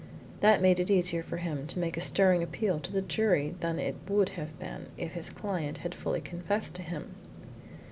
That made it easier for him to make a stirring appeal to the jury than it would have been if his client had fully confessed to him.